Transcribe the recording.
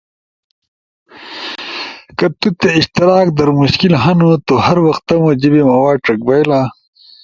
کہ تو تے اشتراک در مشکل ہنو، تو ہر وخ تمو جیبے مواد ڇک بئیلا۔